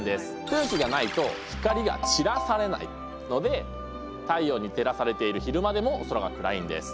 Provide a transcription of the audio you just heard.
空気がないと光が散らされないので太陽に照らされている昼間でも空が暗いんです。